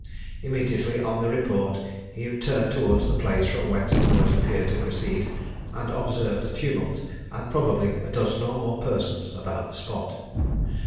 Immediately on the report, he turned towards the place from whence the noise appeared to proceed, and observed a tumult, and probably a dozen or more persons about the spot.